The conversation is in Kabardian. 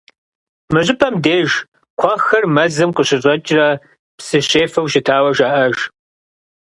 Мы щӀыпӀэм деж кхъуэхэр мэзым къыщыщӀэкӀрэ псы щефэу щытауэ жаӀэж.